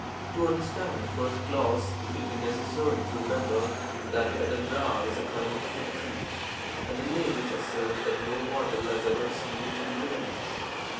To understand the first clause, it will be necessary to remember that the adumbra is a kind of fig tree, and the natives assert that no mortal has ever seen it in bloom.